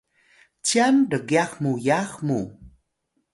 cyan rgyax muyax mu